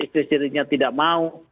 istrinya tidak mau